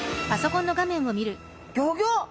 ギョギョッ！